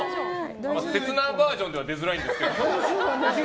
切ないバージョンでは出づらいんですけど。